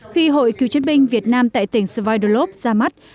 khi hội cựu chiến binh việt nam tại tỉnh svillovs ra mắt